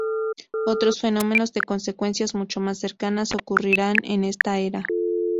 Otros fenómenos de consecuencias mucho más cercanas ocurrirán en esta era.